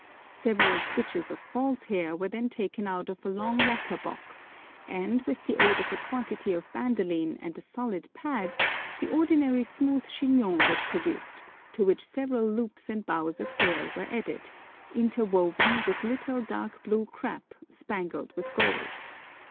Several switches of false hair were then taken out of a long lacquer box, and, with the aid of a quantity of bandoline and a solid pad, the ordinary smooth chignon was produced, to which several loops and bows of hair were added, interwoven with a little dark blue crêpe, spangled with gold.